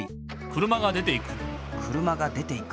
車が出ていく。